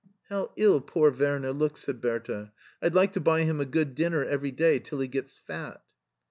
" How ill poor Werner looks," said Bertha. " I'd like to buy him a good dinner every day till ht gets fat."